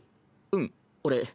うん俺。